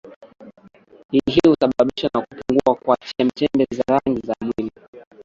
i hii husababishwa na kupungua kwa chembe chembe za rangi za mwili